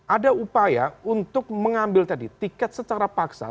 ada upaya untuk mengambil tadi tiket secara paksa